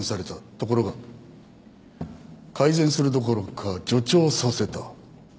ところが改善するどころか助長させた。